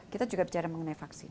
kita juga bicara mengenai vaksin